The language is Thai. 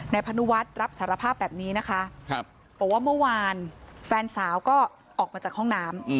พนุวัฒน์รับสารภาพแบบนี้นะคะบอกว่าเมื่อวานแฟนสาวก็ออกมาจากห้องน้ำ